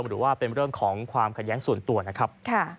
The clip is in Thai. หรือว่าเป็นเรื่องของความขัดแย้งส่วนตัวนะครับ